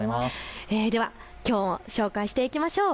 ではきょうも紹介していきましょう。